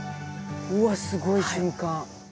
うわすごい瞬間。